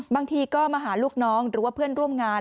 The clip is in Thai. บางทีก็มาหาลูกน้องหรือว่าเพื่อนร่วมงาน